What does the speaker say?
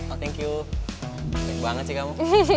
oh thank you thank banget sih kamu